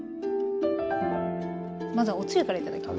まずはおつゆから頂きます。